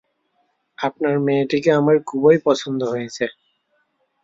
আপনার মেয়েটিকে আমার খুবই পছন্দ হয়েছে।